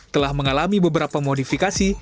telah mengalami beberapa modifikasi